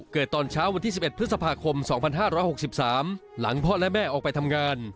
ตอนเช้าวันที่๑๑พฤษภาคม๒๕๖๓หลังพ่อและแม่ออกไปทำงาน